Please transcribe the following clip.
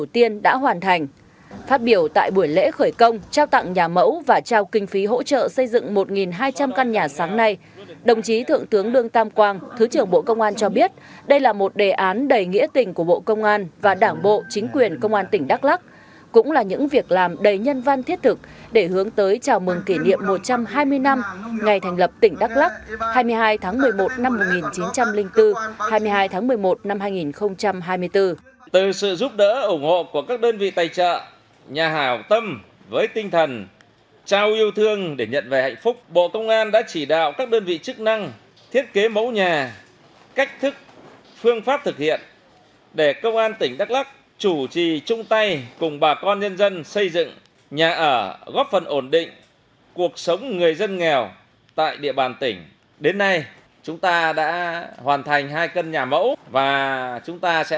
trong ngày buổi lễ khởi công trao tặng nhà mẫu và trao kinh phí hỗ trợ xây dựng một hai trăm linh căn nhà sáng nay đồng chí thượng tướng đương tam quang thứ trưởng bộ công an cho biết đây là một đề án đầy nghĩa tình của bộ công an và đảng bộ chính quyền công an cho biết đây là một đề án đầy nghĩa tình của bộ công an và đảng bộ chính quyền công an cho biết đây là một đề án đầy nghĩa tình của bộ công an